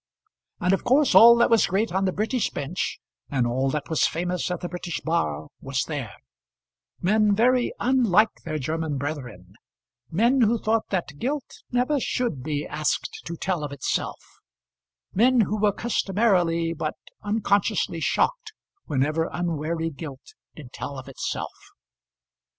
And of course all that was great on the British bench, and all that was famous at the British bar was there, men very unlike their German brethren, men who thought that guilt never should be asked to tell of itself, men who were customarily but unconsciously shocked whenever unwary guilt did tell of itself.